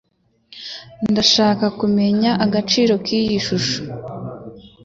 Ndashaka kumenya agaciro kiyi shusho.